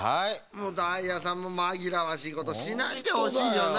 もうダイヤさんもまぎらわしいことしないでほしいよな。